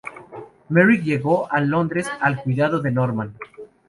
Merrick llegó a Londres al cuidado de Norman.